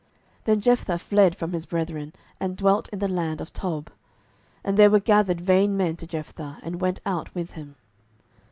07:011:003 Then Jephthah fled from his brethren, and dwelt in the land of Tob: and there were gathered vain men to Jephthah, and went out with him.